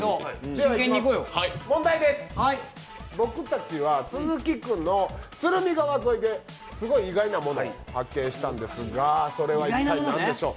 僕たちは都筑区の鶴見川沿いで意外なものを発見したんですがそれは一体、何でしょう？